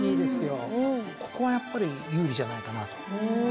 ここはやっぱり有利じゃないかなと。